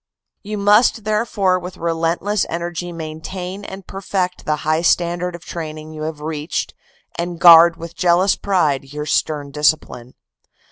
You must therefore with relentless energy maintain and perfect the high standard of training you have reached, and guard with jealous pride your stern discipline.